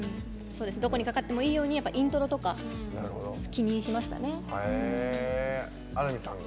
どこにかかってもいいように、イントロとか気にしましたね。